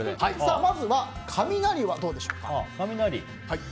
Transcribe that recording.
まずは、雷はどうでしょうか。